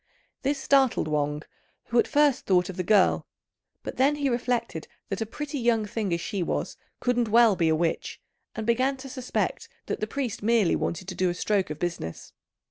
This startled Wang, who at first thought of the girl; but then he reflected that a pretty young thing as she was couldn't well be a witch, and began to suspect that the priest merely wanted to do a stroke of business.